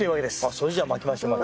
それじゃまきましょうか。